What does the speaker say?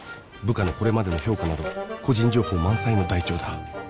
部下のこれまでの評価など個人情報満載の台帳だ